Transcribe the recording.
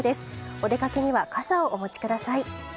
お出かけには傘をお持ちください。